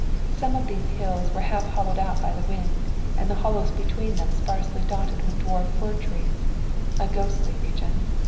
Some of these hills were half hollowed out by the wind, and the hollows between them sparsely dotted with dwarf fir trees. A ghostly region.